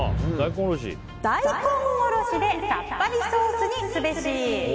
大根おろしでさっぱりソースにすべし。